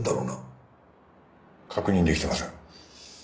確認できていません。